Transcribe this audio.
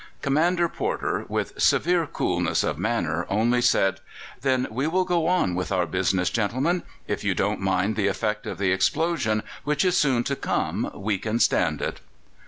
Commander Porter, with severe coolness of manner, only said: "Then we will go on with our business, gentlemen. If you don't mind the effect of the explosion which is soon to come, we can stand it."